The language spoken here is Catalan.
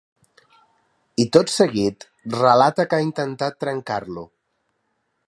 I tot seguit, relata que ha intentat ‘trencar-lo’.